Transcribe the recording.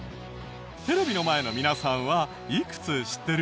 テレビの前の皆さんはいくつ知ってる？